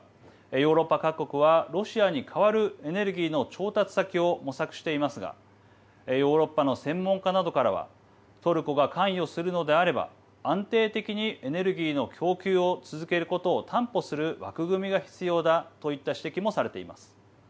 ヨーロッパ各国はロシアに代わるエネルギーの調達先を模索していますがヨーロッパの専門家などからはトルコが関与するのであれば安定的にエネルギーの供給を続けることを担保する枠組みが必要だといった指摘もされています。